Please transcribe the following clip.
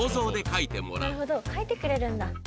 さんになるほど描いてくれるんだ